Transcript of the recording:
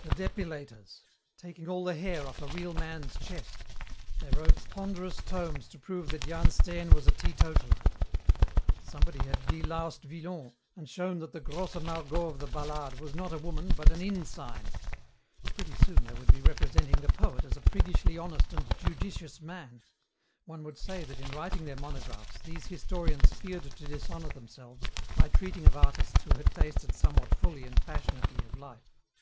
The depilators! taking all the hair off a real man's chest. They wrote ponderous tomes to prove that Jan Steen was a teetotaler. Somebody had deloused Villon and shown that the Grosse Margot of the ballade was not a woman but an inn sign. Pretty soon they would be representing the poet as a priggishly honest and judicious man. One would say that in writing their monographs these historians feared to dishonour themselves by treating of artists who had tasted somewhat fully and passionately of life.